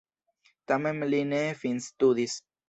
Tamen li ne finstudis.